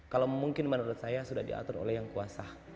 kalau mungkin menurut saya sudah diatur oleh yang kuasa